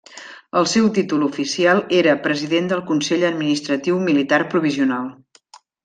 El seu títol oficial era President del Consell Administratiu Militar Provisional.